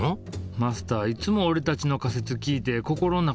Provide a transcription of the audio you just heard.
マスターいつも俺たちの仮説聞いて心の中で笑ってるやろ。